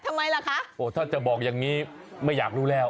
ทำไมล่ะคะโอ้ถ้าจะบอกอย่างนี้ไม่อยากรู้แล้ว